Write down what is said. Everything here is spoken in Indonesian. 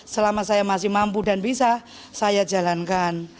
selama saya masih mampu dan bisa saya jalankan